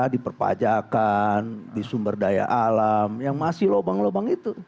di perpajakan di sumber daya alam yang masih lubang lubang itu